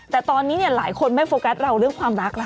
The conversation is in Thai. แต่ตอนนี้หลายคนไม่โฟกัสเราเรื่องความรักแล้ว